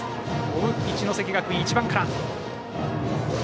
追う一関学院は１番から。